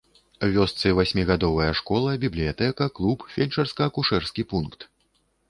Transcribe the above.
У вёсцы васьмігадовая школа, бібліятэка, клуб, фельчарска-акушэрскі пункт.